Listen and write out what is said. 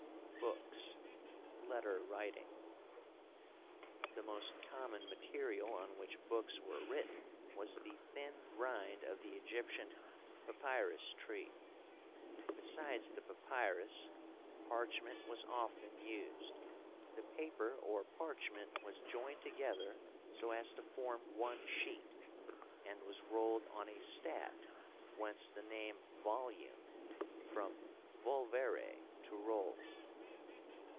BOOKS. LETTER WRITING. The most common material on which books were written was the thin rind of the Egyptian papyrus tree. Besides the papyrus, parchment was often used. The paper or parchment was joined together so as to form one sheet, and was rolled on a staff, whence the name volume (from volvere, to roll).